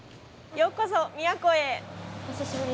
ようこそ宮古へ。